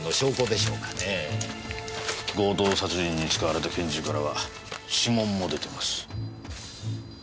強盗殺人に使われた拳銃からは指紋も出てます。